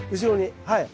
はい。